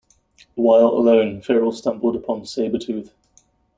While alone, Feral stumbled upon Sabretooth.